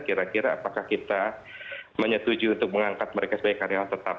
kira kira apakah kita menyetujui untuk mengangkat mereka sebagai karyawan tetap